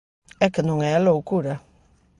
E que non é a loucura.